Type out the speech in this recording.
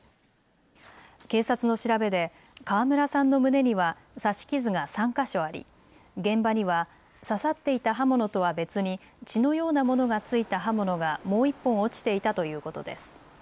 警察の調べで川村さんの胸には刺し傷が３か所あり現場には刺さっていた刃物とは別に血のようなものが付いた刃物がもう１本落ちていたということです。